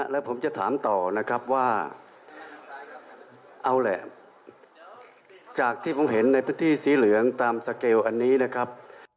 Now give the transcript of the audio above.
แล้วผมจะถามต่อนะครับว่าเอาแหละจากที่ผมเห็นในพื้นที่สีเหลืองตามสเกลอันนี้นะครับ